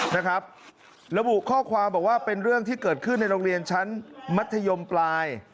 นะครับระบุข้อความบอกว่าเป็นเรื่องที่เกิดขึ้นในโรงเรียนชั้นมัธยมปลาย